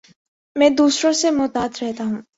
میں دوسروں سے محتاط رہتا ہوں